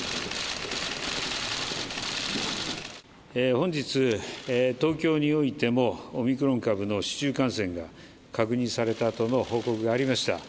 本日、東京においてもオミクロン株の市中感染が確認されたとの報告がありました。